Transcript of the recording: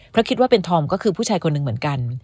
เพราะคิดว่าเป็นธอมก็คือผู้ชายคนหนึ่งเหมือนกัน